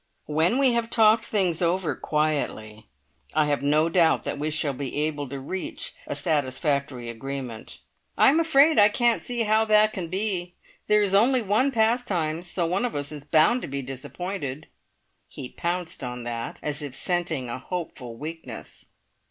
When we have talked things over quietly, I have no doubt that we shall be able to reach a satisfactory agreement." "I'm afraid I can't see how that can be! There is only one Pastimes, so one of us is bound to be disappointed!" He pounced on that as if scenting a hopeful weakness.